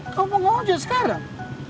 kau mau ngecek sekarang